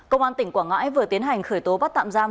công an tỉnh quảng ngãi vừa tiến hành khởi tố bắt tạm giam